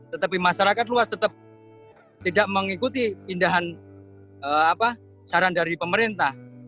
tetapi masyarakat luas tetap tidak mengikuti pindahan saran dari pemerintah